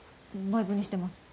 バイブにしてます。